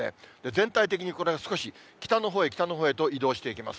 全体的にこれが少し北のほうへ、北のほうへと移動していきます。